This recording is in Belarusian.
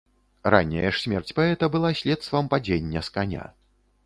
Ранняя ж смерць паэта была следствам падзення з каня.